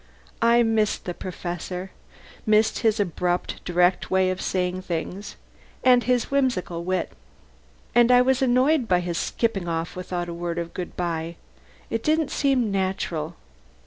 I missed the Professor: missed his abrupt, direct way of saying things, and his whimsical wit. And I was annoyed by his skipping off without a word of good bye. It didn't seem natural.